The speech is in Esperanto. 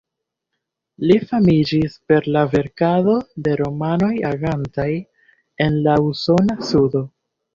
Li famiĝis per la verkado de romanoj agantaj en la usona sudo.